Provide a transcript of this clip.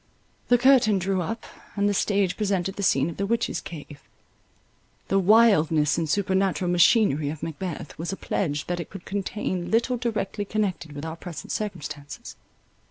The curtain drew up, and the stage presented the scene of the witches' cave. The wildness and supernatural machinery of Macbeth, was a pledge that it could contain little directly connected with our present circumstances.